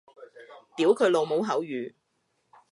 屌佢老母口語